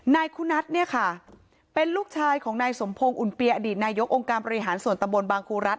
นายคุณัทเนี่ยค่ะเป็นลูกชายของนายสมพงศ์อุ่นเปียอดีตนายกองค์การบริหารส่วนตะบนบางครูรัฐ